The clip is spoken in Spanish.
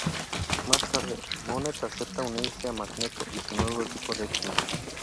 Más tarde, Monet acepta unirse a Magneto y su nuevo equipo de X-Men.